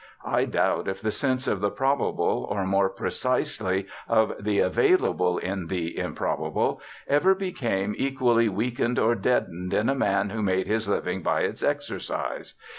I doubt if the sense of the probable, or, more precisely, of the available in the improbable, ever became equally weakened or deadened in a man who made his living by its exercise.